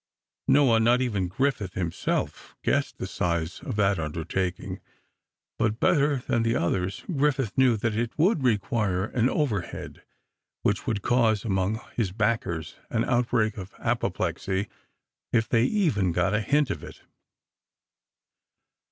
No one, not even Griffith himself, guessed the size of that undertaking, but better than the others, Griffith knew that it would require an overhead which would cause, among his backers, an outbreak of apoplexy, if they got even a hint of it.